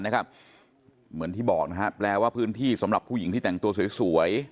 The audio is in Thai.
เหมือนที่บอกนะฮะแปลว่าพื้นที่สำหรับผู้หญิงที่แต่งตัวสวย